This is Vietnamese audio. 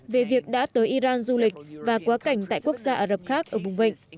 về việc đã tới iran du lịch và quá cảnh tại quốc gia ả rập khác ở vùng vịnh